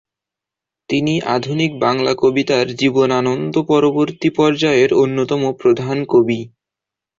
তিনি আধুনিক বাংলা কবিতার জীবনানন্দ-পরবর্তী পর্যায়ের অন্যতম প্রধান কবি।